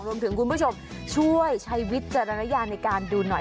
รวมถึงคุณผู้ชมช่วยใช้วิทยาลัยในการดูหน่อย